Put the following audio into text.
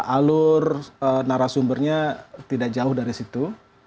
alur narasumbernya tidak jauh dari situ